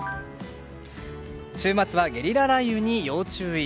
週末はゲリラ雷雨に要注意。